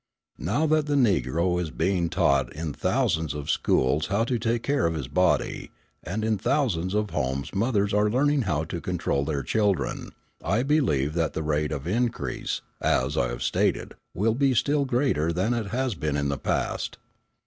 Now that the Negro is being taught in thousands of schools how to take care of his body, and in thousands of homes mothers are learning how to control their children, I believe that the rate of increase, as I have stated, will be still greater than it has been in the past.